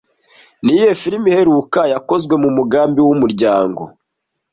Niyihe filime iheruka ya yakozwe mu Umugambi wumuryango